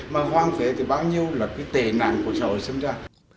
mà khoang phế thì bao nhiêu là cái tề nạn của xã hội xâm ra